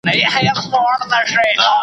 پر دېګدان باندي یې هیڅ نه وه بار کړي .